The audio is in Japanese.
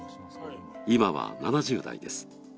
今は７０代です。